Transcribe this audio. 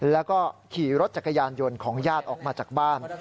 แล้วก็ขี่รถจักรยานยนต์ของญาติออกมาจากบ้าน